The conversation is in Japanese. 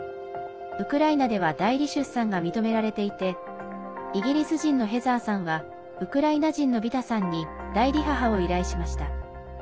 ウクライナでは代理出産が認められていてイギリス人のヘザーさんはウクライナ人のヴィタさんに代理母を依頼しました。